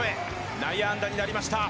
内野安打になりました。